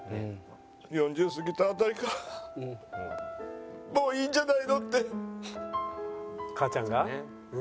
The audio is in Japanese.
４０過ぎた辺りから「もういいんじゃないの」って。母ちゃんが？